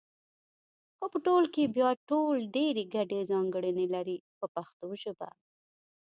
خو په ټول کې بیا ټول ډېرې ګډې ځانګړنې لري په پښتو ژبه.